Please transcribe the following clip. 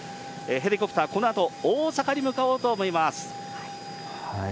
ヘリコプター、このあと大阪に向かおうと思います。